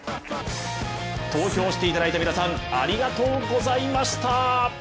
投票していただいた皆さんありがとうございました。